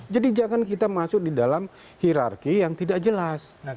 jadi jangan kita masuk di dalam hirarki yang tidak jelas